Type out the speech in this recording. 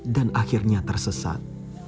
dan akhirnya tersesat